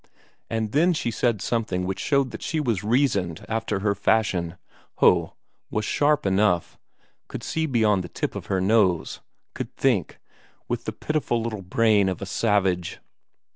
And then she said something which showed that she was reasoned after her fashion ho, was sharp enough, could see beyond the tip of her nose; could think, with the pitiful little brain of a savage.